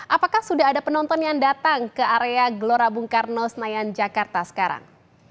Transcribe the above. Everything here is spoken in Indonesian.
apakah sudah ada penonton yang datang ke area gelora bung karno senayan jakarta sekarang